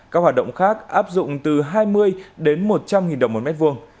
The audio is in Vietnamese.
các hoạt động khác áp dụng từ hai mươi đến một trăm linh đồng mỗi mét vuông